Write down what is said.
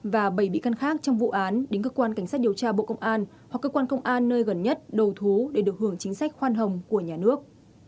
và bảy bị căn khác trong vụ án đến cơ quan cảnh sát điều tra bộ công an hoặc cơ quan công an nơi gần nhất đầu thú để được hưởng chính sách khoan hồng của nhà nước